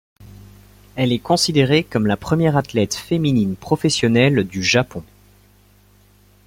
Elle est considérée comme la première athlète féminine professionnelle du Japon.